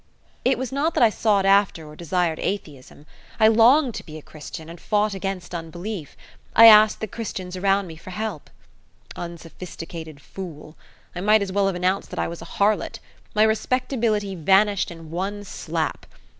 It was not that I sought after or desired atheism. I longed to be a Christian, and fought against unbelief. I asked the Christians around me for help. Unsophisticated fool! I might as well have announced that I was a harlot. My respectability vanished in one slap.